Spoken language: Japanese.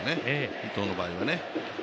伊藤の場合はね。